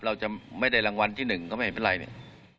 เราจะไม่ได้รางวัลที่๑ก็ไม่เห็นเป็นไรเนี่ย